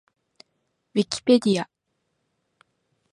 ウィキペディア